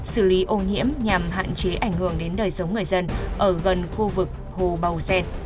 xử lý ô nhiễm nhằm hạn chế ảnh hưởng đến đời sống người dân ở gần khu vực hồ bầu gen